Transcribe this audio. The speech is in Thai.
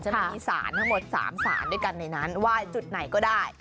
จะมีสารทั้งหมด๓สารด้วยกันในนั้นไหว้จุดไหนก็ได้